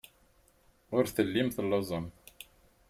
Ur tellim telluẓem.